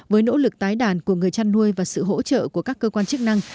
với nỗ lực tái đàn của người chăn nuôi và sự hỗ trợ của các cơ quan chức năng